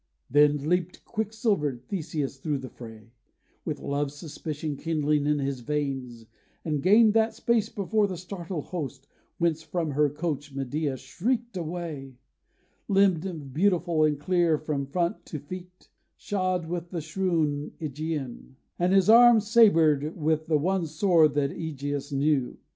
Then leaped quicksilvered Theseus thro' the fray, With love's suspicion kindling in his veins, And gained that space before the startled host Whence from her couch Medea shrieked away: Limned beautiful and clear from front to feet, Shod with the shoon Ægean; and his arm Sabred with the one sword that Ægeus knew!